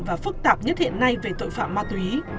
và phức tạp nhất hiện nay về tội phạm ma túy